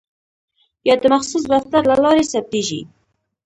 یا د مخصوص دفتر له لارې ثبتیږي.